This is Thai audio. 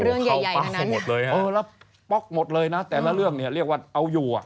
โอ้โหเขาป๊อกหมดเลยเออแล้วป๊อกหมดเลยนะแต่ละเรื่องนี้เรียกว่าเอาอยู่อ่ะ